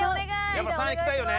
やっぱ「３」いきたいよね。